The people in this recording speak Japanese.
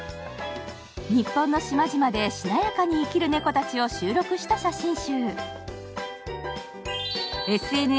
日本の島々で、しなやかに生きる猫たちを収録した写真集。